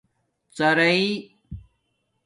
ڎراری